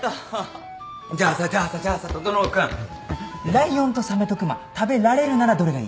ライオンとサメと熊食べられるならどれがいい？